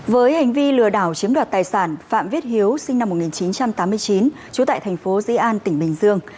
với hành vi lừa đảo chiếm đoạt tài sản phạm viết hiếu sinh năm một nghìn chín trăm tám mươi chín trú tại thành phố dĩ an tỉnh bình dương